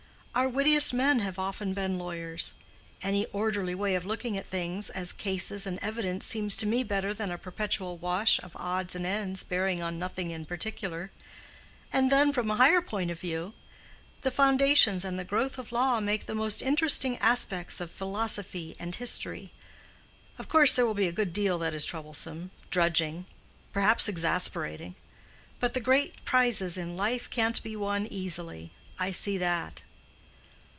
Our wittiest men have often been lawyers. Any orderly way of looking at things as cases and evidence seems to me better than a perpetual wash of odds and ends bearing on nothing in particular. And then, from a higher point of view, the foundations and the growth of law make the most interesting aspects of philosophy and history. Of course there will be a good deal that is troublesome, drudging, perhaps exasperating. But the great prizes in life can't be won easily—I see that."